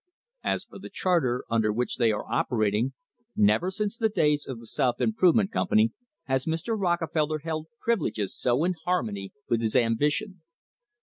As for the charter under which they are operating, never since the days of the South Improvement Company has Mr. Rockefeller held privileges so in harmony with his ambition.